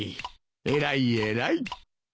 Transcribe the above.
偉い偉い。